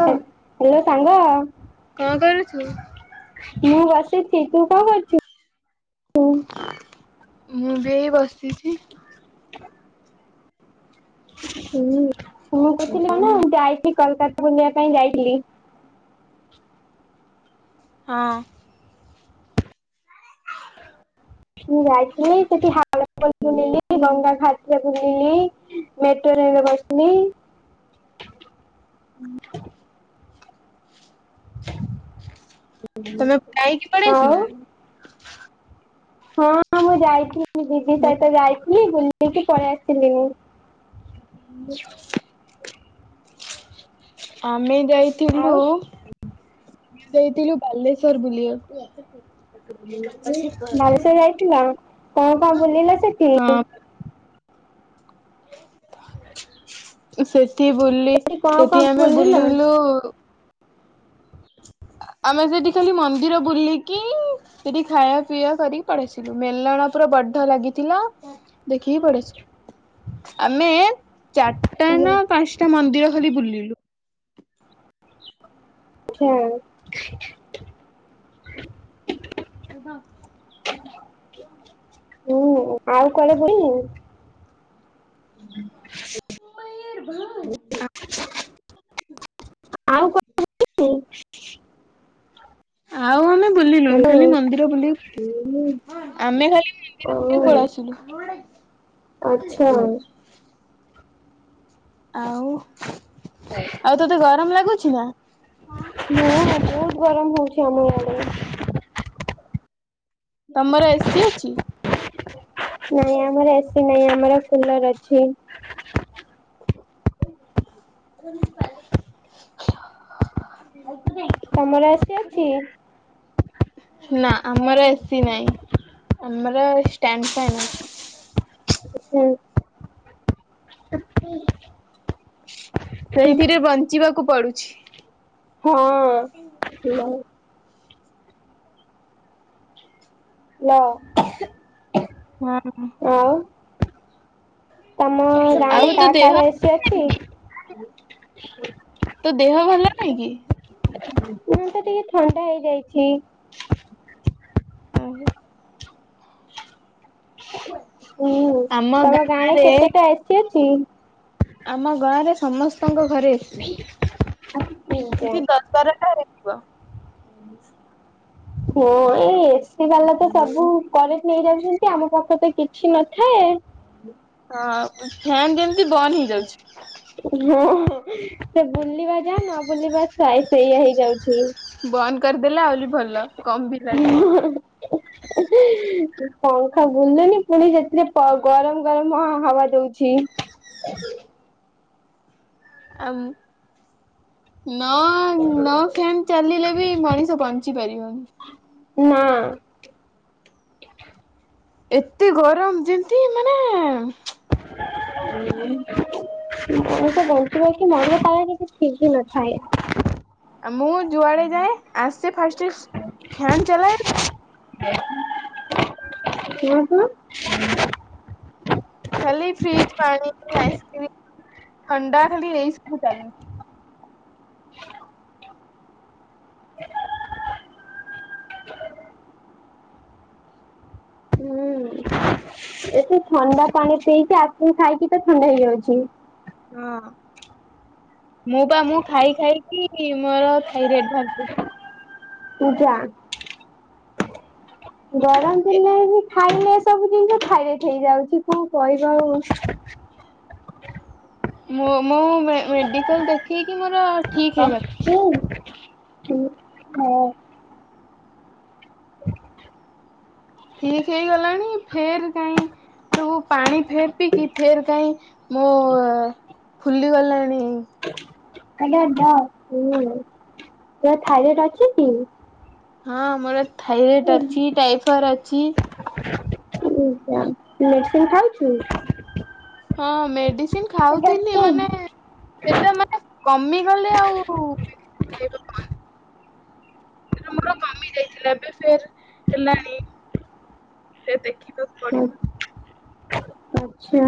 ହ ହ୍ୟାଲୋ କଣ କରୁଛୁ? ସାଙ୍ଗ ମୁଁ ବସିଛି ତୁ କଣ କରୁଛୁ? ମୁଁ ବି ଏଇ ବସିଛି। ହୁଁ ମୁଁ କହୁଥିଲି କନା ଯାଇଥିଲି କୋଲକତା ବୁଲିବା ପାଇଁ ଯାଇଥିଲି। ହଁ। ମୁଁ ଯାଇଥିଲି ସେଠି‌ ହା ବୁଲିଲି ଗଙ୍ଗା ଘାଟରେ ବୁଲିଲି ମେଟ୍ରୋରେ ବସିଲି। ତମେ ଗାଇକି ଆଉ ପଳିଆସିଲଣି? ହଁ ମୁଁ ଯାଇଥିଲି ଦିଦି ସହିତ ଯାଇଥିଲି ବୁଲି ଲିକି ପଳେ ଆସିଲିନି‌। ଆମେ ଆଉ ଯାଇଥିଲୁ‌। ସେଇଥିଲୁ ବାଲେଶ୍ଵର ବୁଲିବାକୁ। ବାଲେଶ୍ଵର ଯାଇଥିଲ, କଣ କଣ ବୁଲିଲ ସେଠି? ହଁ। ସେଠି ବୁଲି କଣ ସେଠି କଣ ଆମେ ବୁଲିଲ? ବୁଲିଲୁ ଆମେ ସେଠି ଖାଲି ମନ୍ଦିର ବୁଲିକି ସେଠି ଖାଇବା ପିଇବା କରିକି ପଳେଇ ଆସିଲୁ। ମେଲଣ ପୁରା ବଡ ଲାଗିଥିଲା। ଦେଖିକି ପଳେଇଆସିଲୁ, ଆମେ ଚାରିଟା ନା ଆଚ୍ଛା ପାଞ୍ଚଟା ମନ୍ଦିର ଖାଲି ବୁଲିଲୁ। ହୁଁ। କୁହ। ହୁଁ ଆଉ କୁଆଡେ ବୁଲିନୁ? ମୟୂରଭଞ୍ଜ। ଆଉ [unintelligible] [unintelligible] ଆଉ ଆମେ ବୁଲିଲୁନି, ଖାଲି ମନ୍ଦିର ବୁଲ ଆମେ ଖାଲି ଓ ମନ୍ଦିର ବୁଲିକି ପଳିଆସିଲୁ। ଆଛା। ଆଉ। [unintelligible] ଆଉ, ତତେ ଗରମ ଲାଗୁଛିି ନା? ମୁଁ, ବହୁତ ଗରମ ହଉଛି ଆମ ଆଡେ। ତମର ଏସି ଅଛି? ନାଇଁ ଆମର ନାଇଁ ଆମର କୁଲର ଅଛି। [unintelligible] ତମର ଏସି ଅଛି? ନା ଆମର ଏସି ନାଇଁ, ଆମର ଷ୍ଟାଣ୍ଡ ଫ୍ୟାନ ଅଛି। ହୁଁ। ସେଇଥିରେ ବଞ୍ଚିବାକୁ ପଡୁଛି। ହଁ। ହ୍ୟାଲୋ। ହଁ। ଆଉ। ତମ ଗାଁ ଆଉ ରେ, ତୋ କା କା ଦେହ ର ଏସି ଅଛି? [unintelligible] ତୋ ଦେହ ଭଲ ନାଇଁ କି? ମତେ ଟିକେ ଥଣ୍ଡା ହେଇଯାଇଛି। ଓହ। ହୁଁ, ଆମ ତମ ଗାଁ ଗାଁରେ କେତେଟା ଏସି ଅଛି? ଆମ ଗାଁରେ ସମସ୍ତଙ୍କ ଘରେ ଏସି। ଦିଟା। [unintelligible] ବାରଟା ହେଇଯିବ। [inaudible] ହଁ, ଏଇ ଏସି ବାଲା ତ ସବୁ କରେଣ୍ଟ ନେଇ ଯାଉଛନ୍ତି, ଆମ ପାଖରେ ତ କିଛି ନଥାଏ। ହଁ ଫ୍ୟାନ ଯେମିତି ବନ ହେଇଯାଉଛି। ହଁ ସେ ବୁଲିବା ଯା, ନ ବୁଲିବା ସେଇଆ ହେଇଯାଉଛି। ବନ୍ଦ କରିଦେଲେ ଆହୁରି ଭଲ, କମ ବିଲ ଆସିବ। [inaudible] ପଙ୍ଖା ବୁଲୁନି, ପୁଣି ସେଥିରେ ପ ଗରମ ଗରମ ହାୱା ଦଉଛି। [inaudible] ଆମ୍ ନ, ନ ଫ୍ୟାନ ଚାଲିଲେ ବି, ମଣିଷ ବଞ୍ଚି ପାରିବନି। ନା। ଏତେ ଗରମ ଯେମତି ମାନେ [unintelligible] ମନୀଷ ବଞ୍ଚିବ କି ମରିବ ତାର କିଛି ଠିକ ହିଁ ନଥାଏ। ମୁଁ ଯୁଆଡେ ଯାଏ ଆସେ ଫାଷ୍ଟ ଫ୍ୟାନ ଚଲାଏ। ଶୁଣନ୍ତୁ। ଖାଲି ଫ୍ରିଜ ପାଣି, ଆଇସ୍କ୍ରିମ, ଥଣ୍ଡା ଖାଲି ଏଇ ସବୁ ଚାଲିଚି। ହୁଁ ଏତେ ଥଣ୍ଡା ପାଣି ପିଇକି ଆଇସ୍କ୍ରିମ ଖାଇକି ତ ଥଣ୍ଡା ହେଇଯାଉଛି। ହଁ। ମୁଁ ପା ମୁଁ ଖାଇ ଖାଇକି ମୋର ଥାଇରେଡ୍ ବାହାରି ପଡ଼ିଚି। ପୂଜା ଗରମ ଦିନେବି। ଖାଇଲେ ଏ ସବୁ ଜିନିଷ ଥାଇରେଟ ହେଇଯାଉଛି। କଣ କହିବ ଆଉ। ମୁଁ ମୁଁ ମେଡିକାଲ ଦେଖେଇକି ମୋର। ଠିକ ହେଇଗଲା। କଣ କରୁଚୁ? ହ। ଠିକ୍ ହେଇଗଲାଣି। ଫେର୍ କାଇଁ ସବୁ ପାଣି ଫେଟିକି ଫେର୍ କାହିଁ ମୁଁ ଫୁଲିଗଲାଣି। ଆଜ୍ଞା ଜା ହୁ ତାର ଥାଇରଏଡ ଅଛି କି? ହଁ ମୋର ଥାଇରଏଡ ଅଛି। ଟାଇଫଏଡ ଅଛି। ଓ ହୋ ମେଡିସିନ ଖାଉଚୁ? ହଁ ମେଡିସିନ ଖାଉଥିଲି। ମାନେ ସେଟା। କମିଗଲେ ଆଉ ମେଡ଼ିସିନ୍। ମୋର କମି ଯାଇଥିଲା। ଏବେ ଫେର୍ ହେଲାଣି। ସେ ଦେଖିବାକୁ ପଡିବ। ଆଛା।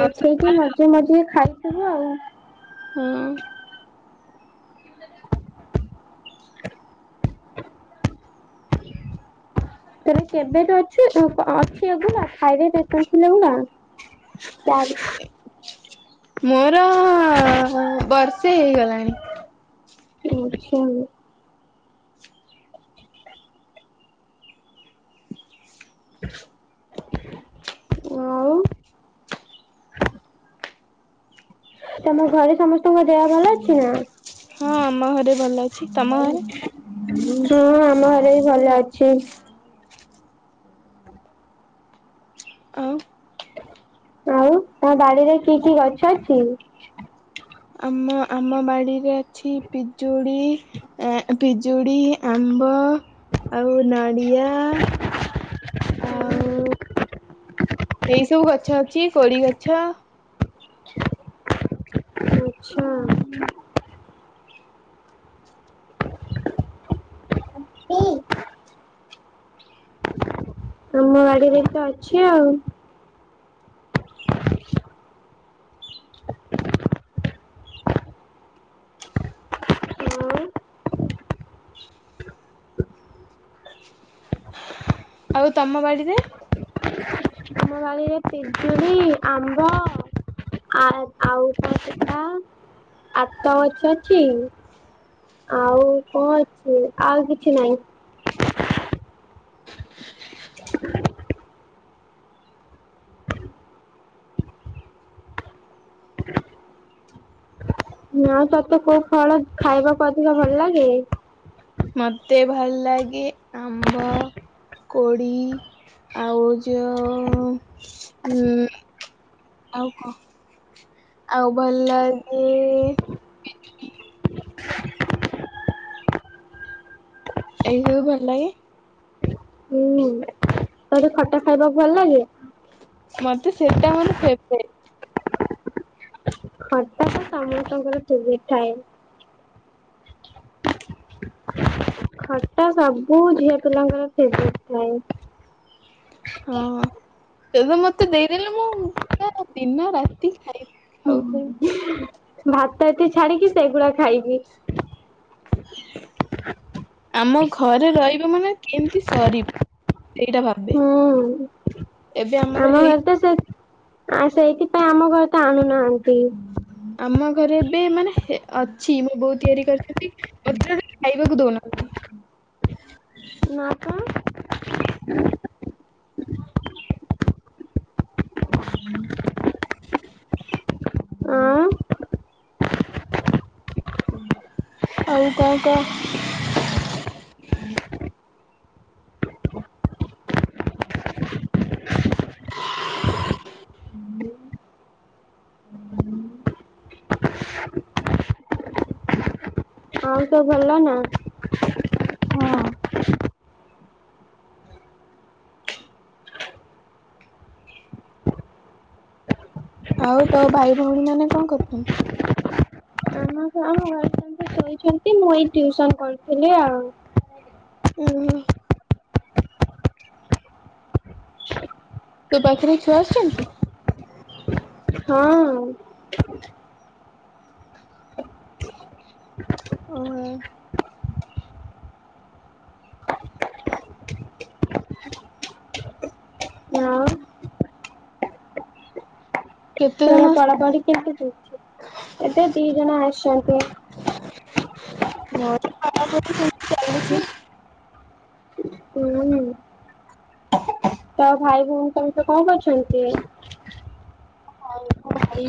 ଦେଖେଇକି ମଝି ମଝିରେ ଖାଇ ଦବୁ ଆଉ। ହଁ। ତୋର କେବେଠୁ ଅଛି? ଅଛି [unintelligible] ନା। ମୋର ବର୍ଷେ ହେଇଗଲାଣି। ବର୍ଷେ ହବ। ଆଉ। ତମ ଘରେ ସମସ୍ତଙ୍କ ଦେହ ଭଲ ଅଛି ନା? ହଁ ଆମ ଘରେ ଭଲ ଅଛି। ତମ ଘରେ? ହଁ ଆମ ଘରେ ଭଲ ଅଛି। ଆଉ। ଆଉ ତମ ବାଡିରେ କି କି ଗଛ ଅଛି? ଆମ ଆମ ବାଡ଼ିରେ ଅଛି ପିଜୁଳି। ପିଜୁଡ଼ି, ଆମ୍ବ। ଆଉ ନଡ଼ିଆ ଆଉ। ଏଇ ସବୁ ଗଛ ଅଛି। କୋଡି ଗଛ। ହଁ। ତମ ବାଡିରେ ବି ତ ଅଛି ଆଉ। ଆଉ ଆଉ ତମ ବାଡ଼ିରେ? ଆମ ବାଡିରେ ପିଜୁୁଳି, ଆମ୍ବ। ଆ ଆଉ କଣ ସେଟା ଆତ ଗଛ ଅଛି? ଆଉ କଅ ଅଛି? ଆଉ କିଛି ନାଇଁ। ହଁ ତତେ କୋଉ ଫଳ ଖାଇବାକୁ ଅଧିକ ଭଲ ଲାଗେ? ମତେ ଭଲ ଲାଗେ ଆମ୍ବ। କୋଡ଼ି ଆଉ ଯୋ ଉଁ ଆଉ କ ଆଉ ଭଲ ଲାଗେ ଏଇ ସବୁ ଭଲ ଲାଗେ। ହୁଁ ତତେ ଖଟା ଖାଇବାକୁ ଭଲ ଲାଗେ? ମତେ ସେଟା ମାନେ ଫେବ୍ରାଇଟି। ଖଟା ତ ସମସ୍ତଙ୍କର ଫେବ୍ରେଇଟି ଥାଏ। ଖଟା ସବୁ ଝିଅ ପିଲାଙ୍କର ଫେବ୍ରାଇଟି ଥାଏ। ଏଇତ ମତେ ଦେଇଦେଲେ ମୁଁ ଦିନ ରାତି ଖାଇବି ହୁଁ ଖାଉଥିଵି। ଭାତ ଏତେ ଛାଡିକି ସେଗୁଡା ଖାଇବି। ଆମ ଘରେ ରହିବ ମାନେ କେମତି ସରିବ ସେଇଟା ଭାବ ହୁଁ ଆମର ଆମ ହେଇ ଘରେ ତ ସେ ଆ ସେଇଥିପାଇ ଆମ ଘରେ ତ ଆଣୁନାହାନ୍ତି। ଆମ ଘରେ ଏବେ ମାନେ ହେ ଅଛି ମୋ ବୋଉ ତିଆରି କରିଛନ୍ତି। ମୋତେ ଖାଇବାକୁ ଦଉନାହାନ୍ତି। କଁ [unintelligible] [unintelligible] [unintelligible] ଅଁ ଆଉ କ କହ? ଆଉ ସବୁ ଭଲ ନା? ହଁ। ଆଉ ତୋ ଭାଇ ଭଉଣୀ ମାନେ କଣ କରୁଛନ୍ତି? ଆମ ହଁ [unintelligible] ସୋଇଛନ୍ତି ମୁଁ ଏଇ ଟିୟୁସନ କରିଥିଲି ଆଉ। ଓ ହୋ। ତୋ ପାଖରେ ଛୁଆ ଆସୁଛନ୍ତି? ହଁଅଁ ଓହୋ। ନାଁ। କେତେ ତୋର ଜଣ ଆସୁଛନ୍ତି? ପଢାପଢି କେମତି ଚାଲିଛି ଏବେ ଦି ଜଣ ଆସିଛନ୍ତି। ମୋର ପଢ଼ା ପଢି ସେମିତି ଚାଲିଛି। ହୁଁ ଉଁ ତ ଭାଇ ଭଉଣୀ ସମସ୍ତେ କଣ କରୁଛନ୍ତି? ଭାଇ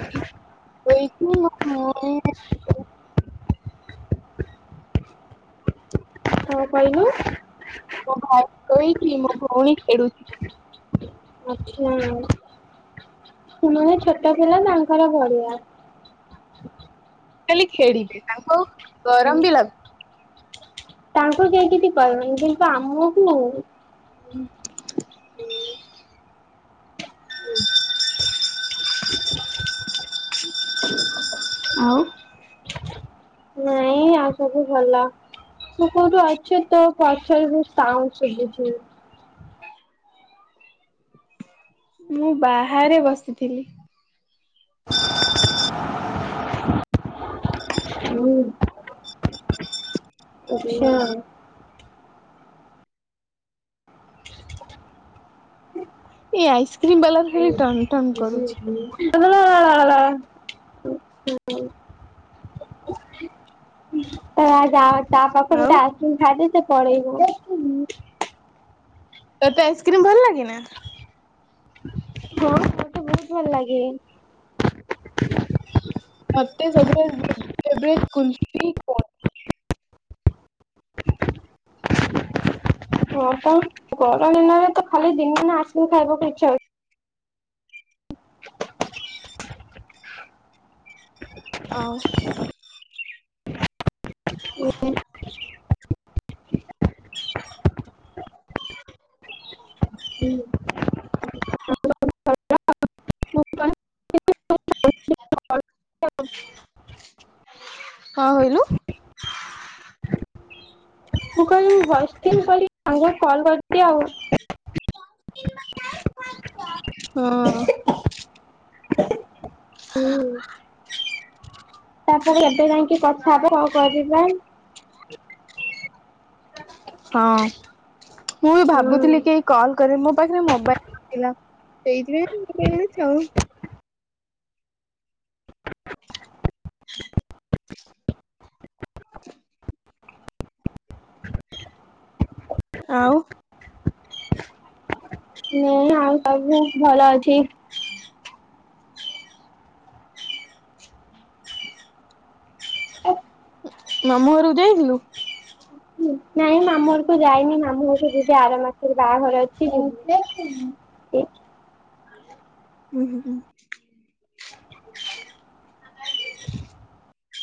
ସୋଇଛି ଆଉ ଭଉଣୀ କଣ କହିଲୁ? ମୋ ଭାଇ ଶୋଇଛି ମୋ ଭଉଣୀ ଖେଳୁଛି। ଛୁଆଁ ସେମାନେ ଛୋଟ ପିଲା ତାଙ୍କର ବଢ଼ିଆ। ଖାଲି ଖେଳିବି ତାଙ୍କୁ ଗରମ ବି ଲାଗୁ ତାଙ୍କୁ କେହି କିଛି କହିବେନି କିନ୍ତୁ ଆମକୁ [unintelligible] ଆଉ ନାଇ ଆଉ ସବୁ ଭଲ। ତୁ କଉଠି ଅଛୁ ତ ପଛରୁ ସାଉଣ୍ଡ ଶୁଭୁଛି। ମୁଁ ବାହାରେ ବସିଥିଲି। ହୁଁ। [inaudible] ଆଛା। ଏଇ ଆଇସିକ୍ରିମ ବଲା ଟା ଖାଲି ଟନ ଟନ [inaudible] ତ ଯାଅ ତା ପାଖରୁ ଗୋଟେ ଆଉ ଆଇସକ୍ରିମ ଖାଇଦିଅ ସେ ପଳେଇବ। ତୋତେ ଆଇସ୍କ୍ରିମ୍ ଭଲ ଲାଗେ ନା? ମତେ ବହୁତ ଭଲ ଲାଗେ। ମତେ ସବୁଠାରୁ [unintelligible] ଫେଭରେଟ କୁଲଫି କୋନ। ହଁ ତ ଗରମ ଦିନରେ ତ ଖାଲି ଦିନମାନେ ଆଇସ୍କ୍ରିମ ଖାଇବାକୁ ଇଚ୍ଛା ହୁଏ। ଅଉ ହଉଛି। [inaudible] ମୁଁ [unintelligible] ହଁ କହିଲୁ ମୁଁ କହିଲି [unintelligible] ହଁ। [unintelligible] ତାପରେ ଏବେ ଯାଇକି କଥା ହବ କଣ କରିବା। ହଁ ମୁଁ ବି ହୁଁ ଭାବୁଥିଲି କି କଲ୍ କରୀମି ମୋ ପାଖରେ ମୋବାଇଲ ନଥିଲା। ସେଇଥିପାଇ [unintelligible] ଆଉ। [inaudible] ଆଉ। ନା ଆଉ ସବୁ ଭଲ ଅଛି। [inaudible] ମାମୁଁ ଘରକୁ ଯାଇଥିଲୁ। ନାଇଁ ମାମୁଁ ଘରକୁ ଯାଇନି ମାମୁଁ ଘରକୁ ଯିବି ଆର ମାସରେ ବାହାଘର ଅଛି ଯିବି। [inaudible] ଉୁଁ ହୁ ହୁଁ। [inaudible]